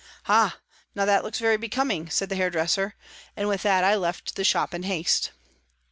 " Ah ! now that looks very becoming," said the hairdresser, and with that I left the shop in haste.